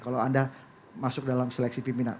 kalau anda masuk dalam seleksi pimpinan